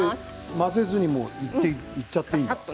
混ぜずにいっちゃっていいんですか？